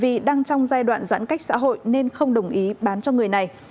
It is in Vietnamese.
vì đang trong giai đoạn giãn cách xã hội nên không đồng ý bán cho người này